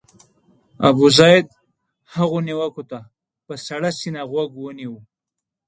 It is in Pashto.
ابوزید هغو نیوکو ته په سړه سینه غوږ ونیو.